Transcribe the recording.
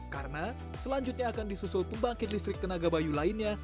karena selanjutnya akan disusul pembangkit listrik tenaga bayu lainnya